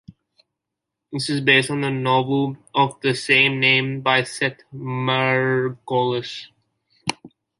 It is based on the novel of the same name by Seth Margolis.